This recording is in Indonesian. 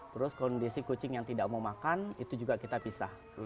terus kondisi kucing yang tidak mau makan itu juga kita pisah